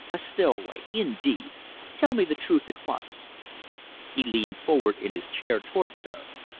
A stowaway, indeed! Tell me the truth at once?" He leaned forward in his chair towards her.